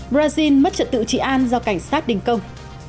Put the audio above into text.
brazil mất trật tự trị an do cảnh sát đình công